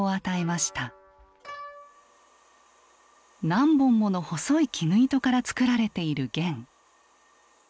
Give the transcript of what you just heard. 何本もの細い絹糸から作られている弦。